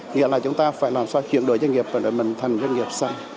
nghĩa là chúng ta phải làm sao chuyển đổi doanh nghiệp và đổi mình thành doanh nghiệp sẵn